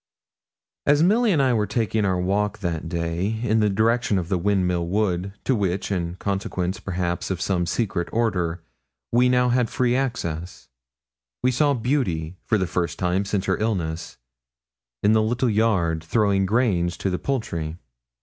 As Milly and I were taking our walk that day, in the direction of the Windmill Wood, to which, in consequence perhaps of some secret order, we had now free access, we saw Beauty, for the first time since her illness, in the little yard, throwing grain to the poultry.